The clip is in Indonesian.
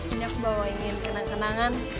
ini aku bawa ingin kenang kenangan